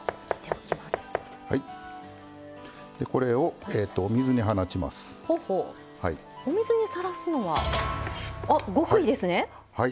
お水にさらすのは極意ですね。